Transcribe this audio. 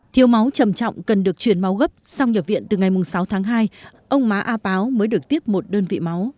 thiếu máu trầm trọng cần được truyền máu gấp sau nhập viện từ ngày sáu tháng hai ông má a báo mới được tiếp một đơn vị máu